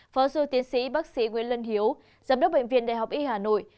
phó sư tiến sĩ bác sĩ nguyễn lân hiếu giám đốc bệnh viện đại học y hà nội